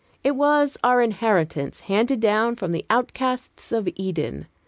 It was our inheritance, banded down from the outcasts of Eden.